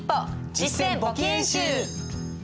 実践簿記演習！